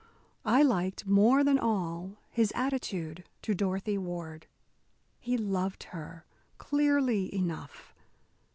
I liked, more than all, his attitude to Dorothy Ward. He loved her, clearly enough.